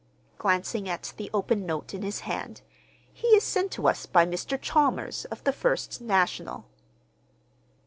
(Glancing at the open note in his hand.) "He is sent to us by Mr. Chalmers, of the First National."